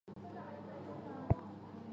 郑军取得泉州战役的胜利。